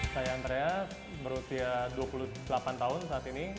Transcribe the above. saya andrea berusia dua puluh delapan tahun saat ini